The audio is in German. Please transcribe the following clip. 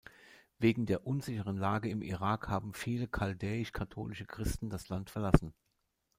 Wegen der unsicheren Lage im Irak haben viele chaldäisch-katholische Christen das Land verlassen.